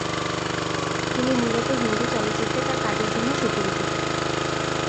তিনি মূলত হিন্দি চলচ্চিত্রে তার কাজের জন্য সুপরিচিত।